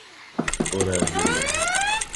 ওর আর কেউ নেই।